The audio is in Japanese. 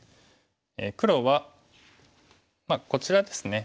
黒はこちらですね。